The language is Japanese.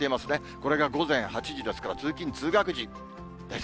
これが午前８時ですから、通勤・通学時です。